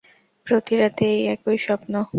প্রতি রাতে, এই একই স্বপ্ন।